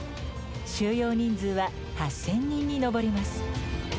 収容人数は８０００人に上ります。